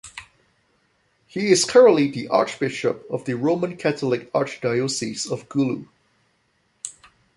He is currently the archbishop of the Roman Catholic Archdiocese of Gulu.